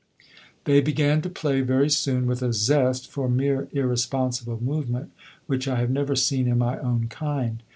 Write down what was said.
] They began to play very soon with a zest for mere irresponsible movement which I have never seen in my own kind.